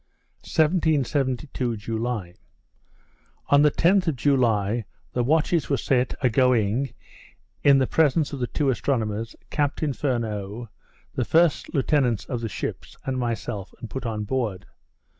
1772 July On the 10th of July the watches were set a going in the presence of the two astronomers, Captain Furneaux, the first lieutenants of the ships, and myself, and put on board.